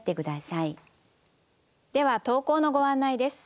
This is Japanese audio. では投稿のご案内です。